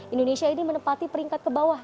indonesia ini menempati peringkat kebawah